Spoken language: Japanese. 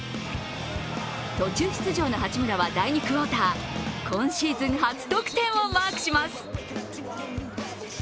途中出場の八村は第２クオーター今シーズン初得点をマークします。